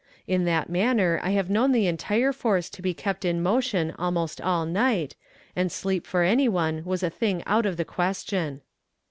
In that manner I have known the entire force to be kept in motion almost all night, and sleep for any one was a thing out of the question.